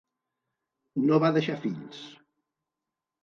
No va deixar fills.